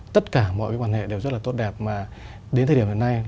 tất cả mọi quan hệ đều rất tốt đẹp mà đến thời điểm hôm nay